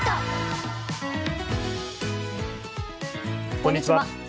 こんにちは。